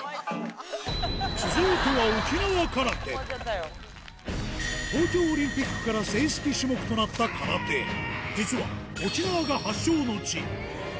続いては東京オリンピックから正式種目となった空手実は沖縄が発祥の地